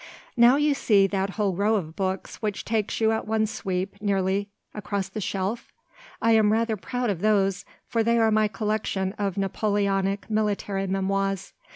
Now you see that whole row of books which takes you at one sweep nearly across the shelf? I am rather proud of those, for they are my collection of Napoleonic military memoirs.